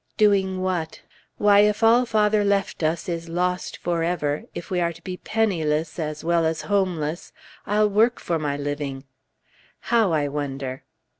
Doing what? Why, if all father left us is lost forever, if we are to be penniless as well as homeless, I'll work for my living. How, I wonder?